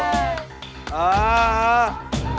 ครับ